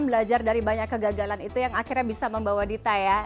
belajar dari banyak kegagalan itu yang akhirnya bisa membawa dita ya